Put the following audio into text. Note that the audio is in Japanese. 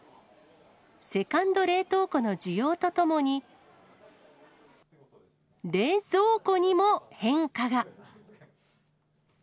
セカンド冷凍庫の需要とともに冷蔵庫にも変化が。